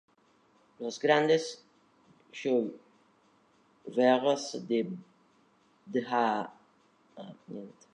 Los grandes joyeros dejaban el Quartier du Palais-Royal para instalarse en la rue Royale.